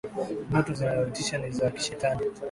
Ndoto zinazotisha ni za kishetani.